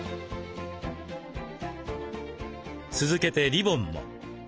続けてリボンも。